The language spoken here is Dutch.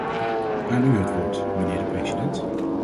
Aan u het woord, mijnheer de president.